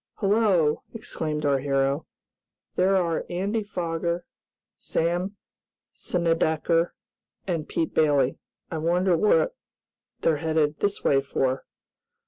"Hello!" exclaimed our hero. "There are Andy Foger, Sam Snedecker and Pete Bailey. I wonder what they're heading this way for?"